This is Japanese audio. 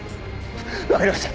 わかりました。